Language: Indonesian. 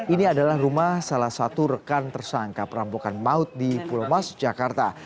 ini adalah rumah salah satu rekan tersangka perampokan maut di pulau mas jakarta